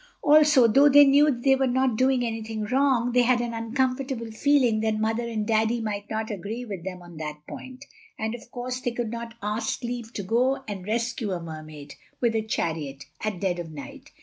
Also, though they knew they were not doing anything wrong, they had an uncomfortable feeling that Mother and Daddy might not agree with them on that point. And of course they could not ask leave to go and rescue a Mermaid, with a chariot, at dead of night.